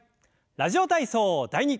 「ラジオ体操第２」。